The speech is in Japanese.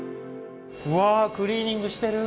うわクリーニングしてる。